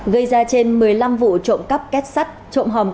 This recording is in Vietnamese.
gây ra trên một mươi năm vụ trộm cắp két sắt trộm hầm cắt sắt